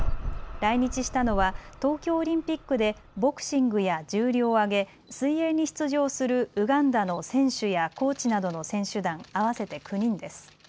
来日したのは東京オリンピックでボクシングや重量挙げ、水泳に出場するウガンダの選手やコーチなどの選手団合わせて９人です。